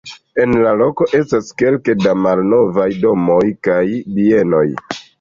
En la loko estas kelke da malnovaj domoj kaj bienoj.